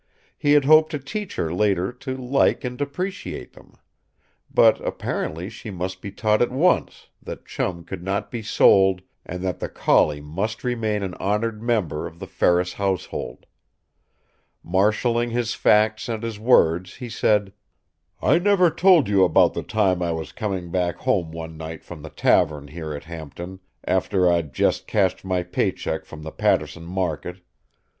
He had hoped to teach her later to like and appreciate them. But apparently she must be taught at once that Chum could not be sold and that the collie must remain an honored member of the Ferris household. Marshaling his facts and his words, he said: "I never told you about the time I was coming back home one night from the tavern here at Hampton, after I'd just cashed my pay check from the Pat'son market.